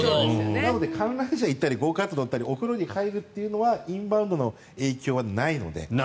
なので観覧車に行ったりゴーカートに乗ったりお風呂に入るというのはインバウンドの影響はないので。